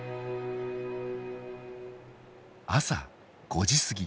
朝５時すぎ。